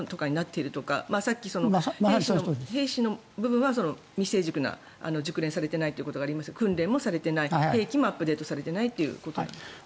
さっき、兵士の部分は未成熟な、熟練されていないということがありましたが訓練もされていない兵器もアップデートされていないということですか。